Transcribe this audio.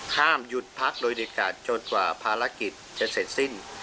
ห้ามหยุดพักโดยเด็ดขาดจนกว่าภารกิจจะเสร็จสิ้น